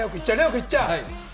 君、行っちゃう？